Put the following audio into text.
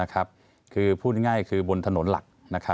คือพูดง่ายคือบนถนนหลัก